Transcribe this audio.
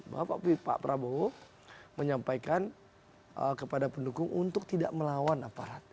bapak prabowo menyampaikan kepada pendukung untuk tidak melawan aparat